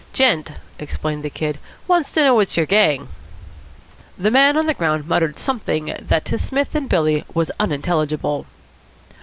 "Gent," explained the Kid, "wants to know what's your gang." The man on the ground muttered something that to Psmith and Billy was unintelligible.